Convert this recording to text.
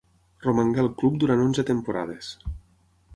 Romangué al club durant onze temporades.